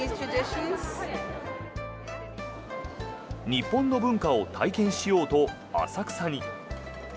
日本の文化を体験しようと浅草に。